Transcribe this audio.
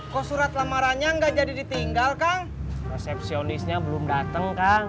kok surat lamarannya nggak jadi ditinggal kang resepsionisnya belum datang kang